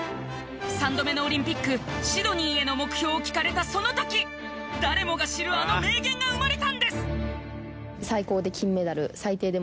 ３度目のオリンピックシドニーへの目標を聞かれたその時誰もが知るあの名言が生まれたんです！